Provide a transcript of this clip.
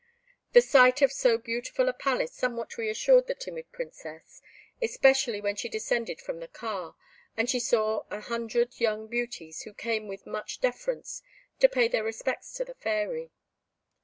The sight of so beautiful a palace somewhat re assured the timid Princess, especially when she descended from the car, and she saw an hundred young beauties, who came with much deference to pay their respects to the Fairy.